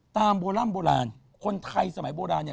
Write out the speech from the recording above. โบร่ำโบราณคนไทยสมัยโบราณเนี่ย